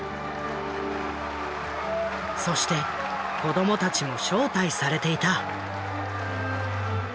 そして子どもたちも招待されていた。